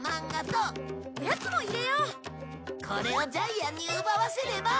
これをジャイアンに奪わせれば。